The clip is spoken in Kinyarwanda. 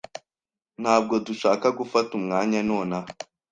Ntabwo dushaka gufata umwanya nonaha.